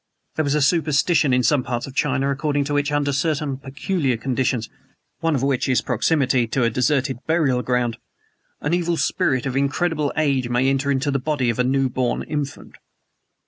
There is a superstition in some parts of China according to which, under certain peculiar conditions (one of which is proximity to a deserted burial ground) an evil spirit of incredible age may enter unto the body of a new born infant.